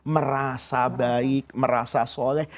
merasa baik merasa soleh